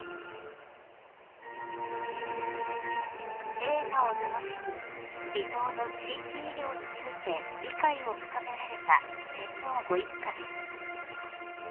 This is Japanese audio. ［映画を楽しみ離島の地域医療について理解を深められた天皇ご一家です］